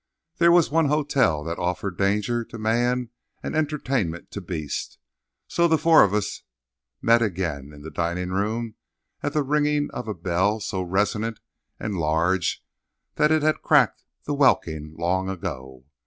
There was one hotel that offered danger to man and entertainment to beast; so the four of us met again in the dining room at the ringing of a bell so resonant and large that it had cracked the welkin long ago.